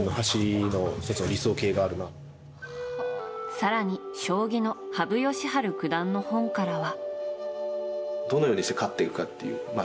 更に、将棋の羽生善治九段の本からは。